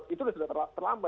itu sudah terlambat